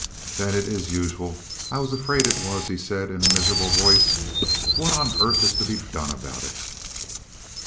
"Then it is usual! I was afraid it was," he said in a miserable voice. "What on earth is to be done about it?"